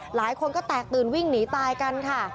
หลายคนก็แตกตื่นวิ่งหนีตายกันค่ะ